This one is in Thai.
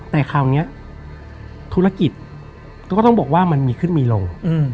แต่คราวนี้ธุรกิจก็ต้องบอกว่ามันมีขึ้นมีลง